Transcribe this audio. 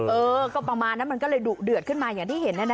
เออก็ประมาณนั้นมันก็เลยดุเดือดขึ้นมาอย่างที่เห็น